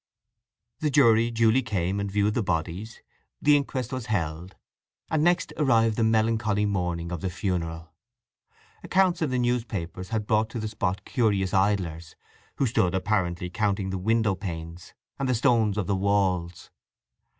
The jury duly came and viewed the bodies, the inquest was held; and next arrived the melancholy morning of the funeral. Accounts in the newspapers had brought to the spot curious idlers, who stood apparently counting the window panes and the stones of the walls.